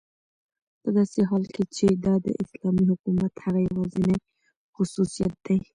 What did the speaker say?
په داسي حال كې چې دا داسلامي حكومت هغه يوازينى خصوصيت دى